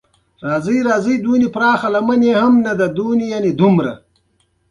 د پسرلی رڼا هم د دوی په زړونو کې ځلېده.